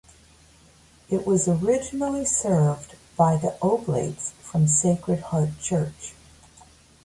It was originally served by the Oblates from Sacred Heart Church.